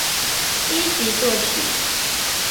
一级作曲。